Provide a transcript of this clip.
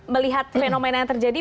melihat fenomena yang terjadi